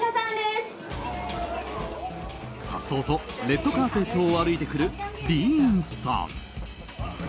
颯爽とレッドカーペットを歩いてくるディーンさん。